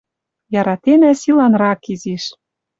Яратенӓ силанрак изиш.